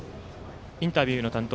インタビューの担当